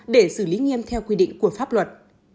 để xử lý nghiêm theo quy định của pháp luật